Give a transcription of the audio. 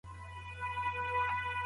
پښتو ټایپنګ یو له هغو مهارتونو څخه دی.